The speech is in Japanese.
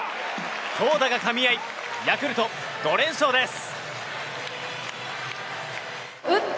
投打がかみ合いヤクルト、５連勝です。